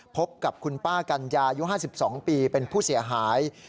พบกับคุณป้ากัญญาอายุ๕๒ปีเป็นผู้เสียหาย